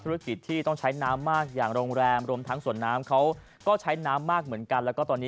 ธุรกิจที่ต้องใช้น้ำมากอย่างโรงแรมรวมทั้งสวนน้ำเขาก็ใช้น้ำมากเหมือนกันแล้วก็ตอนนี้